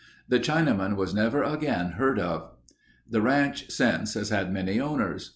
The Chinaman was never again heard of. The ranch since has had many owners.